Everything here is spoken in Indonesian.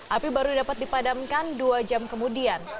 api baru dapat dipadamkan dua jam kemudian